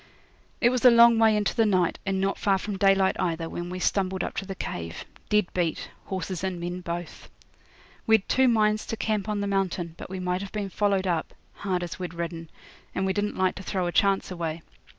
It was a long way into the night, and not far from daylight either, when we stumbled up to the cave dead beat, horses and men both. We'd two minds to camp on the mountain, but we might have been followed up, hard as we'd ridden, and we didn't like to throw a chance away.